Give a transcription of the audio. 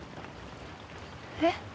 えっ？